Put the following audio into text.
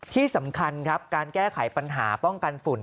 ที่สำคัญครับการแก้ไขปัญหาป้องกันฝุ่น